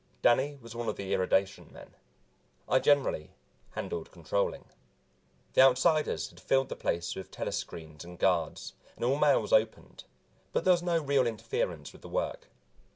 Danny was one of the irradiation men; I generally handled controlling. The Outsiders had filled the place with telescreens and guards, and all mail was opened, but there was no real interference with the work.